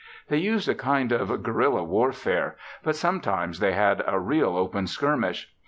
They used a kind of guerilla warfare, but sometimes they had a real open skirmish.